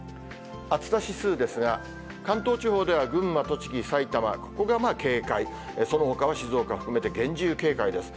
暑さ指数ですが、関東地方では群馬、栃木、埼玉、ここがまあ警戒、そのほかの静岡含めて厳重警戒です。